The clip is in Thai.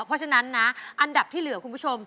เพราะฉะนั้นนะอันดับที่เหลือคุณผู้ชม